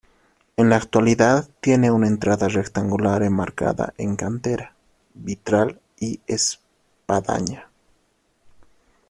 En la actualidad tiene una entrada rectangular enmarcada en cantera, vitral y espadaña.